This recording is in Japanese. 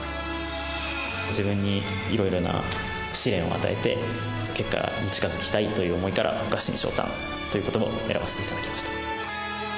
自分にいろいろな試練を与えて結果に近づきたいという思いから臥薪嘗胆という言葉を選ばせていただきました。